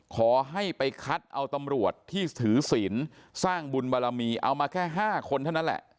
ขอให้ไปคัดเอาตำรวจที่ถือศิลป์สร้างบุญบารมีเอามาแค่๕คนเท่านั้นแหละ